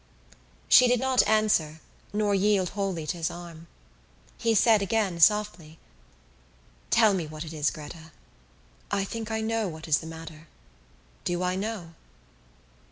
She did not answer nor yield wholly to his arm. He said again, softly: "Tell me what it is, Gretta. I think I know what is the matter. Do I know?"